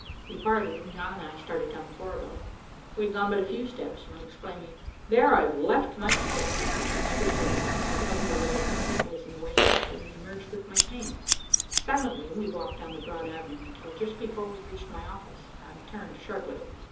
We parted and John and I started down the corridor. We had gone but a few steps when exclaiming, "There, I've left my stick," I turned swiftly back, recovered the letter from its place in the waste basket, and emerged with my cane. Silently we walked down the broad avenue until, just before we reached my office, I turned sharply.